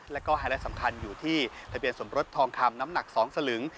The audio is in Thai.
แล้วก็ไฮไลท์สำคัญอยู่ที่ทะเบียนสมรสทองคำน้ำหนัก๒สลึง